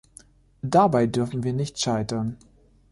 Dabei dürfen wir nicht scheitern.